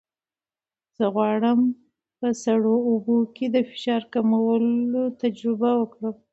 زه غواړم په سړو اوبو کې د فشار کمولو تجربه وکړم.